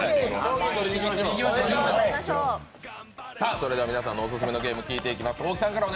それでは皆さんのオススメのゲーム聞いていきます。